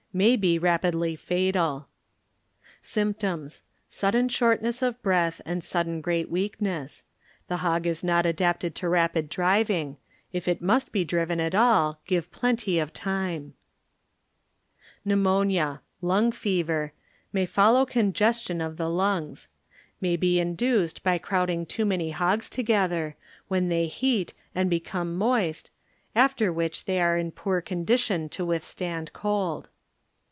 May be rapidly fatal. Symptoms. ŌĆö Sudden shortness of breath and sudden great weakness. The hog is not adapted to rapid driving; if it must be driven at all, give plenty of Pneumonia (Lung Fever) may fol low congestion of the lungs; may be In duced by crowding too many hogs to gether, when they heat and become moist, after which thCT are in poor con dition to withstand cold.